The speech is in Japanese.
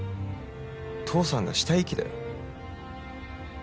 父さんが死体遺棄だよ